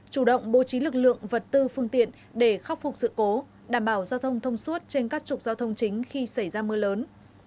chủ động bố trí lực lượng vật tư phương tiện để khắc phục sự cố đảm bảo giao thông thông suốt trên các trục giao thông chính khi xảy ra mưa lớn